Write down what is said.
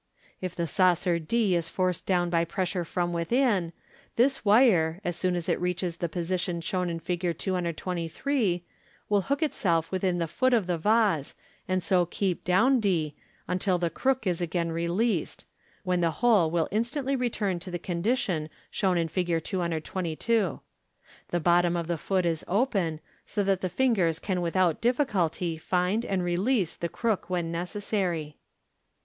If the saucer d is forced down by pressure from within, this wire, as soon as it reaches the position shown in Fig. 223, will hook itself within the foot of the vase, and so keep down d, until the crook is again released, when the whole will instantly return to the condition shown in Fig. 222. The bottom of the foot is open, so that the fingers can without difficulty find and release the crook when necessary.